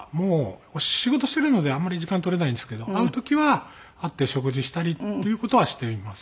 仕事してるのであんまり時間取れないんですけど合う時は会って食事したりっていう事はしています。